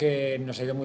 untuk kita semua